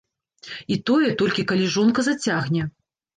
І тое, толькі калі жонка зацягне.